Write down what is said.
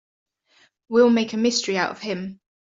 We'll make a mystery out of him.